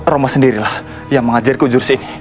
romo sendirilah yang mengajarku jurus ini